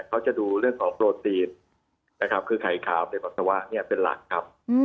เขาจะดูเรื่องของโปรตีนนะครับคือไข่ขาวในปัสสาวะเนี่ยเป็นหลักครับ